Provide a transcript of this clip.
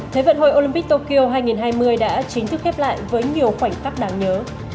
thế vận hội olympic tokyo hai nghìn hai mươi đã chính thức khép lại với nhiều khoảnh khắc đáng nhớ